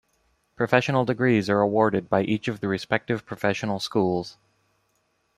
Professional degrees are awarded by each of the respective professional schools.